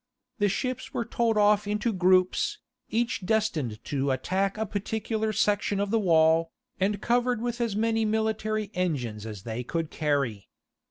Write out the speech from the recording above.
The ships were told off into groups, each destined to attack a particular section of the wall, and covered with as many military engines as they could carry.